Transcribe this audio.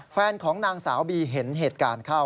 แฟนของนางสาวบีเห็นเหตุการณ์เข้า